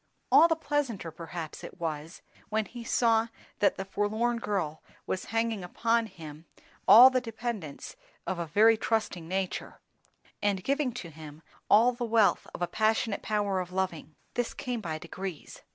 All the pleasanter perhaps it was, when he saw that the forlorn girl was hanging upon him all the dependence of a very trusting nature, and giving to him all the wealth of a passionate power of loving. This came by degrees.